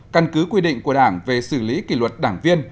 căn cứ quy định của đảng về xử lý kỷ luật đảng viên